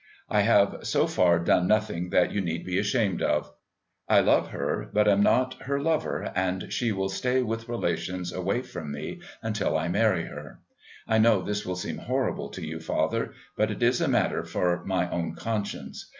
I have so far done nothing that you need be ashamed of. I love her, but am not her lover, and she will stay with relations away from me until I marry her. I know this will seem horrible to you, father, but it is a matter for my own conscience.